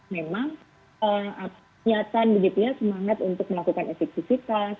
memang kenyataan semangat untuk melakukan efektivitas